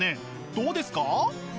どうですか？